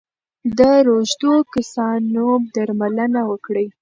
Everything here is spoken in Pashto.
د روږدو کسانو درملنه وکړئ.